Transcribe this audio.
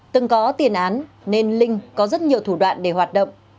từng có tiền án nên linh có rất nhiều thủ đoạn để hoạt động